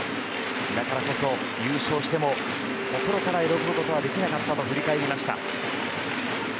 だからこそ優勝しても心から喜ぶことはできなかったと振り返りました。